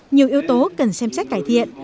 nhiều yếu tố cần xem xét cải thiện